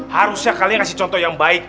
harusnya kalian kasih contoh yang baik